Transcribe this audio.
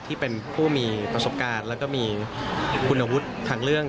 ที่เป็นผู้มีประสบการณ์แล้วก็มีคุณวุฒิทางเรื่อง